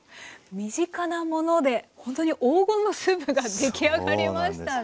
身近なものでほんとに黄金のスープが出来上がりましたね。